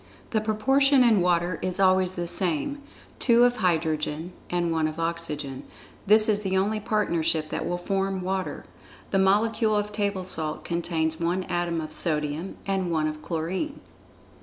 The proportion in water is always the same, two of hydrogen and one of oxygen—this is the only partnership that will form water. The molecule of table salt contains one atom of sodium and one of chlorine.